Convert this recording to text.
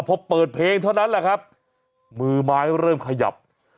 พอเปิดเพลงเท่านั้นแหละครับมือไม้เริ่มขยับ